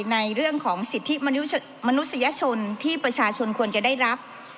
ในเรื่องของสิทธิมนุษยชนที่ประชาชนควรจะได้รับ